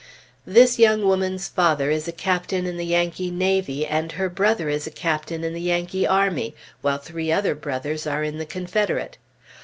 This young woman's father is a Captain in the Yankee navy, and her brother is a Captain in the Yankee army, while three other brothers are in the Confederate.